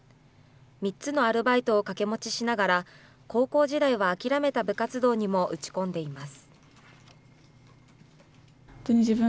３つのアルバイトをかけもちしながら、高校時代は諦めた部活動にも打ち込んでいます。